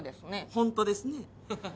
本当ですね。